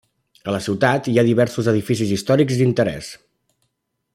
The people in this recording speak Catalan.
A la ciutat hi ha diversos edificis històrics d'interès.